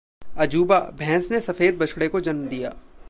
अजूबा! भैंस ने सफेद बछड़े को जन्म दिया